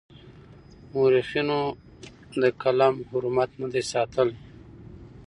مورخينو د قلم حرمت نه دی ساتلی.